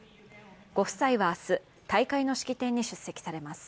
ご夫妻は明日大会の式典に出席されます。